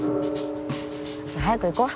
じゃあ早く行こう。